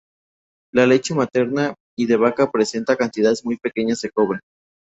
La leche materna y de vaca presenta cantidades muy pequeñas de cobre.